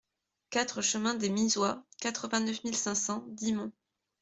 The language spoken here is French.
quatre chemin des Misois, quatre-vingt-neuf mille cinq cents Dixmont